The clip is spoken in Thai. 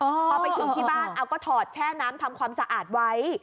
พอไปถึงที่บ้านเอาก็ถอดแช่น้ำทำความสะอาดไว้